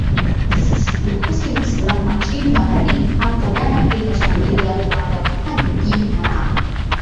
vikosi vya usalama nchini bahrain hapo jana viliwashambulia waandamanaji mjini manama